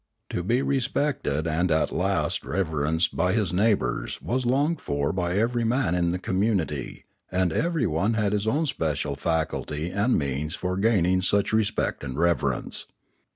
To be respected and at last reverenced by his neighbours was longed for by every man in the community, and everyone had his own special faculty and means for gaining such respect and reverence.